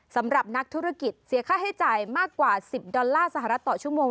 สำหรับนักธุรกิจเสียค่าใช้จ่ายมากกว่า๑๐ดอลลาร์สหรัฐต่อชั่วโมง